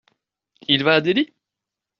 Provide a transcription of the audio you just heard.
Il va à Delhi ?